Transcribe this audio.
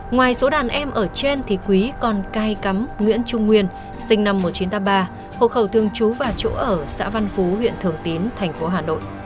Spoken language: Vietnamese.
ngoài số đàn em ở trên thì quý còn cai cắm nguyễn trung nguyên sinh năm một nghìn chín trăm tám mươi ba hộ khẩu thường trú và chỗ ở xã văn phú huyện thường tín thành phố hà nội